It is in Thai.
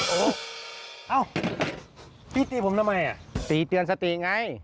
โอ้โหพี่ตีผมทำไมตีเตือนสติไง